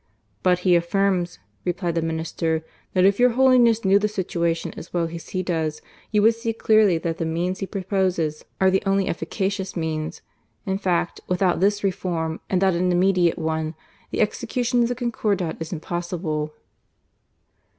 "But he affirms," replied the Minister, "that if your Holiness knew the situation as well as he does,, you would see clearly that the means he proposes I20 GARCIA MORENO. are the only efficacious means. In fact, without this reform and that an immediate one, the execution of the Concordat is impossible."